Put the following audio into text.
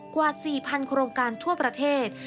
กว่า๔๐๐โครงการทั่วประเทศ